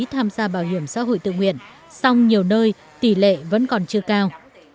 tham gia bảo hiểm xã hội tự nguyện song nhiều nơi tỷ lệ vẫn còn chưa cao